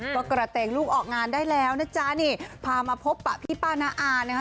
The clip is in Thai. ก็กระเตงลูกออกงานได้แล้วนะจ๊ะนี่พามาพบปะพี่ป้าน้าอานะคะ